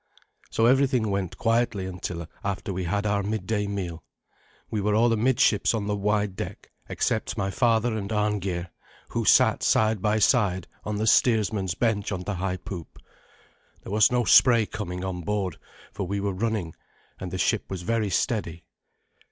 So everything went quietly until after we had our midday meal. We were all amidships on the wide deck, except my father and Arngeir, who sat side by side on the steersman's bench on the high poop. There was no spray coming on board, for we were running, and the ship was very steady.